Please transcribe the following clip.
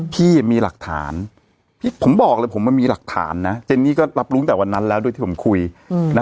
พี่มีหลักฐานผมบอกเลยผมมันมีหลักฐานนะเจนนี่ก็รับรู้ตั้งแต่วันนั้นแล้วด้วยที่ผมคุยนะ